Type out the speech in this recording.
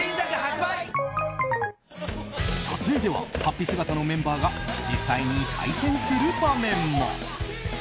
撮影でははっぴ姿のメンバーが実際に対戦する場面も。